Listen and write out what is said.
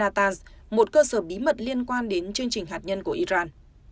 nga cũng đưa tin rằng cuộc tấn công của israel là một cơ sở bí mật liên quan đến chương trình hạt nhân của iran